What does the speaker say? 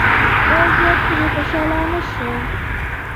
خو زه پرې خوشحاله نشوم.